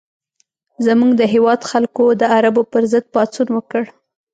زموږ د هېواد خلکو د عربو پر ضد پاڅون وکړ.